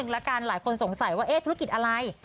ละกันหลายคนสงสัยว่าเนี้ยธุรกิจอะไร